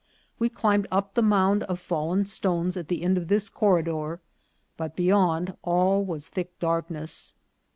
We climbed up the mound of fallen stones at the end of this corridor, but beyond all was thick dark ness.